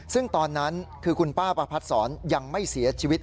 ซึ่งตอนนั้นคือคุณป้าประพัดศรยังไม่เสียชีวิต